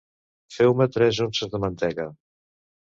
Feu-me tres unces de mantega.